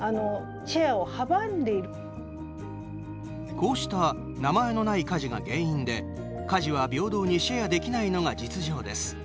こうした名前のない家事が原因で家事は平等にシェアできないのが実情です。